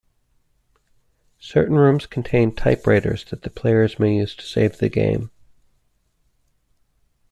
Certain rooms contain typewriters that the player may use to save the game.